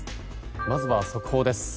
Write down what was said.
まずは速報です。